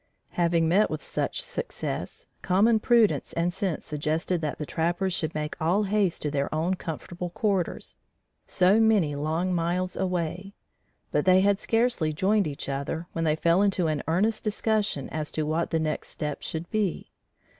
Having met with such success, common prudence and sense suggested that the trappers should make all haste to their own comfortable quarters, so many long miles away; but they had scarcely joined each other when they fell into an earnest discussion as to what the next step should be.